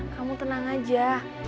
kamu tenang aja